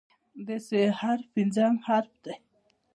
د "ث" حرف پنځم حرف دی.